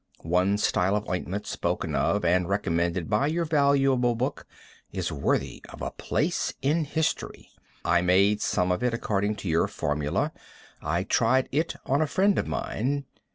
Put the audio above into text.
One style of ointment spoken of and recommended by your valuable book, is worthy of a place in history. I made some of it according to your formula. I tried it on a friend of mine.